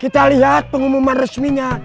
kita lihat pengumuman resminya